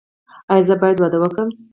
ایا زه باید واده وکړم؟